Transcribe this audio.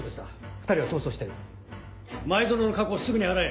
２人は逃走してる前薗の過去をすぐに洗え。